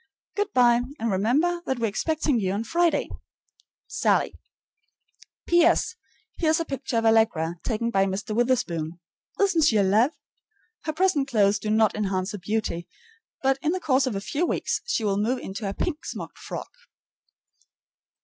Good by; and remember that we're expecting you on Friday. SALLIE. P.S. Here is a picture of Allegra, taken by Mr. Witherspoon. Isn't she a love? Her present clothes do not enhance her beauty, but in the course of a few weeks she will move into a pink smocked frock.